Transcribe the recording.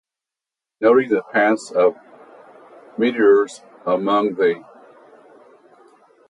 Herschel acquired great precision in noting the paths of meteors among the stars.